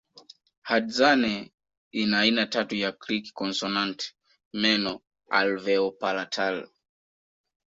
Hadzane ina aina tatu ya click konsonanti meno alveopalatal